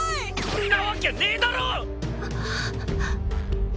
んなわきゃねえだろ！